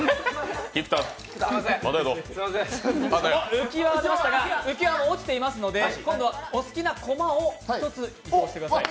浮き輪が出ましたが、浮き輪が落ちていますので今度はお好きなこまを１つ、移動してください。